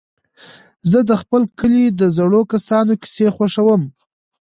زه د خپل کلي د زړو کسانو کيسې خوښوم.